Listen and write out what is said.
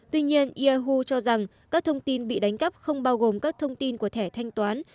tuy nhiên yahu cho rằng các thông tin bị đánh cắp không bao gồm các thông tin của thẻ thanh toán